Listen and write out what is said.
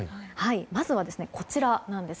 まずはこちらなんです。